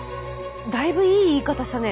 だいぶいい言い方したね。